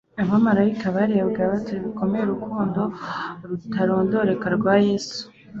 Abamaraika barebaga batangaye bikomeye urukundo rutarondoreka rwa Yesu